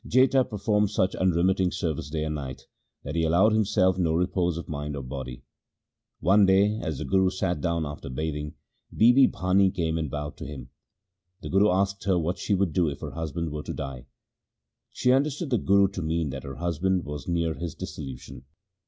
Jetha per formed such unremitting service day and night that he allowed himself no repose of mind or body. One day as the Guru sat down after bathing, Bibi Bhani came and bowed to him. The Guru asked her what she would do if her husband were to die. She understood the Guru to mean that her husband was near his dissolution.